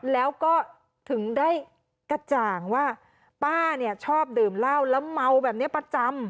แล้วก็ถึงได้กระจ่างว่าป้าเนี่ยชอบดื่มเหล้าแล้วเมาแบบนี้ประจำ